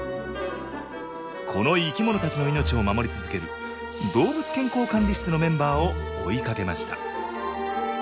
この生き物たちの命を守り続ける動物健康管理室のメンバーを追いかけました